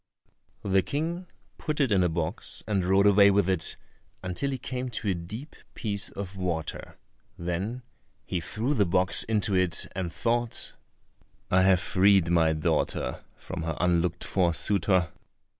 The King put it in a box and rode away with it until he came to a deep piece of water; then he threw the box into it and thought, "I have freed my daughter from her unlooked for suitor."